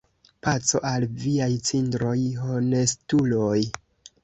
Paco al viaj cindroj, honestuloj!